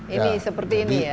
ini seperti ini ya